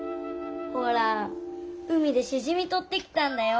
ほら海でしじみとってきたんだよ。